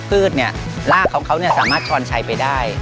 พืชเนี่ยรากของเขาเนี่ยสามารถชวนใช้ไปได้